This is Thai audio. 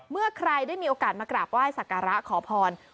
เมื่อใครได้มีโอกาสมากราบไหว้สักการะขอพร